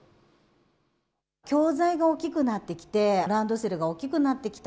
教材が大きくなってきて、ランドセルが大きくなってきた。